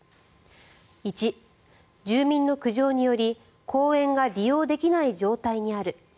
１、住民の苦情により公園が利用できない状態にある。